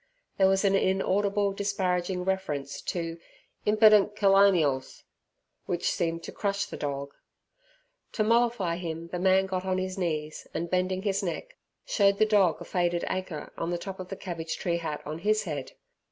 There was an inaudible disparaging reference to "imperdent kerloneyals" which seemed to crush the dog. To mollify him the man got on his knees and, bending his neck, showed the dog a faded anchor on the top of the cabbage tree hat on his head.